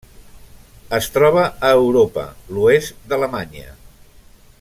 Es troba a Europa: l'oest d'Alemanya.